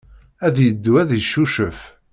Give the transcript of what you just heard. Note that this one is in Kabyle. Ad yeddu ad yeccucef.